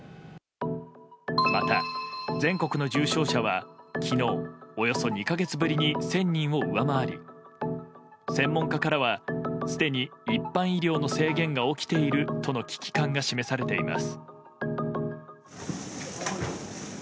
また、全国の重症者は昨日、およそ２か月ぶりに１０００人を上回り専門家からはすでに一般医療の制限が起きているとの危機感が示されています。